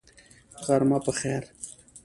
غرمه په خیر !